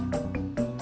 nanti aku datang